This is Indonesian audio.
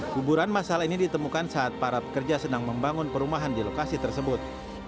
kuburan masal ini ditemukan saat para pekerja senang membangun perumahan di lokasi tersebut